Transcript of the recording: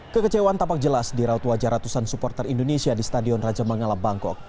kekecewaan tampak jelas di raut wajah ratusan supporter indonesia di stadion raja mangala bangkok